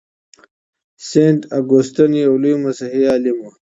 سینټ اګوستین یو لوی مسیحي عالم و.